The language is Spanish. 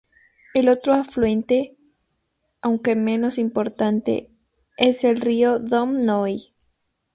El otro afluente, aunque menos importante, es el río Dom Noi.